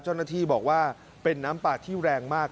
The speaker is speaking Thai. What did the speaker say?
เจ้าหน้าที่บอกว่าเป็นน้ำป่าที่แรงมาก